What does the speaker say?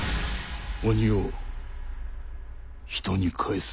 鬼を人に返す。